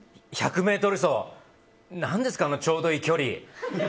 １００ｍ走何ですかあのちょうどいい距離。